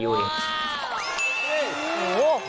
ดึงขึ้นมาทั้งอย่างนี้